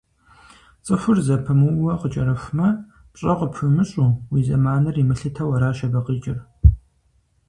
Цӏыхур зэпымыууэ къыкӏэрыхумэ, пщӏэ къыпхуимыщӏу, уи зэманыр имылъытэу аращ абы къикӏыр.